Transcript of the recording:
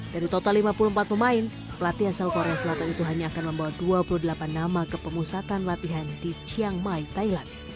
dari total lima puluh empat pemain pelatih asal korea selatan itu hanya akan membawa dua puluh delapan nama ke pemusatan latihan di chiangmai thailand